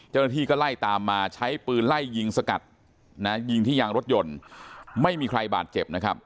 เจ้าหน้าที่ก็ไล่ตามมาใช้ปืนไล่ยิงสกัดนะยิงที่ยางรถยนต์ไม่มีใครบาดเจ็บนะครับ